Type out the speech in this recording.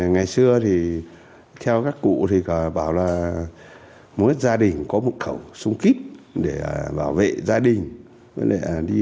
ngày xưa thì theo các cụ thì bảo là muốn gia đình có một khẩu súng kít để bảo vệ gia đình